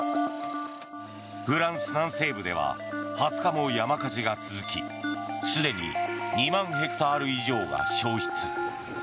フランス南西部では２０日も山火事が続きすでに２万ヘクタール以上が焼失。